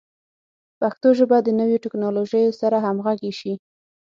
پښتو ژبه د نویو ټکنالوژیو سره همغږي شي.